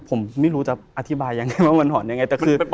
ผมจะอธิบายว่ามันหอนยังไง